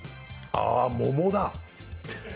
あー、桃だ。